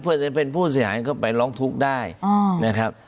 เพื่อจะเป็นผู้เสียหายเข้าไปร้องทุกข์ได้นะครับ